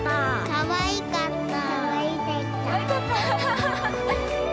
かわいかった？